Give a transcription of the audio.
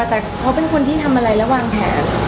แต่เขาเป็นคนที่ทำอะไรและวางแผน